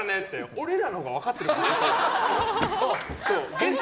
俺らのほうが分かってるから。